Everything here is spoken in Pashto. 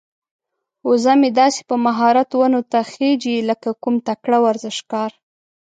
وزه مې داسې په مهارت ونو ته خيږي لکه کوم تکړه ورزشکار.